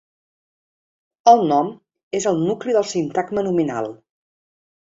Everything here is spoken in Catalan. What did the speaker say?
El nom és el nucli del sintagma nominal.